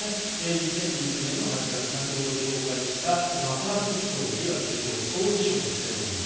２０２０年の８月先ほど紹介した爆発事故でディアブ首相が総辞職しております。